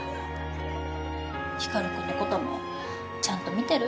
光くんのこともちゃんと見てる？